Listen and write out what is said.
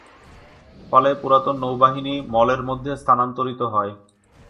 ফলে, পুরাতন নৌবাহিনী মলের মধ্যে স্থানান্তরিত হয়।